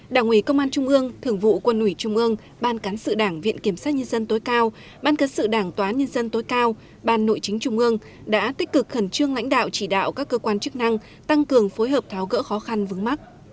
đảng ủy công an trung ương thưởng vụ quân ủy trung ương ban cán sự đảng viện kiểm sát nhân dân tối cao ban cấn sự đảng tòa án nhân dân tối cao ban nội chính trung ương đã tích cực khẩn trương lãnh đạo chỉ đạo các cơ quan chức năng tăng cường phối hợp tháo gỡ khó khăn vướng mắt